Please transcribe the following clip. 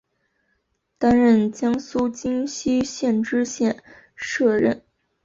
担任江苏荆溪县知县摄任。